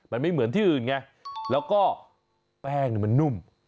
มันไม่เหมือนที่อื่นไงแล้วก็แป้งมันนุ่ม